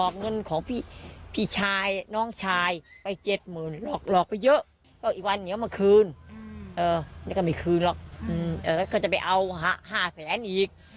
ก็ไม่คืนจะไปเอาห้าแสนอีก